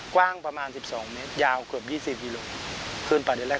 กว้างประมาณ๑๒เมตรยาวเกือบ๒๐โลก